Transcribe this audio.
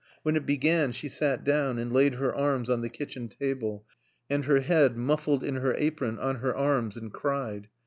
When it began she sat down and laid her arms on the kitchen table, and her head, muffled in her apron, on her arms, and cried.